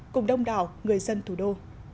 cùng đông đảo người dân thủ đô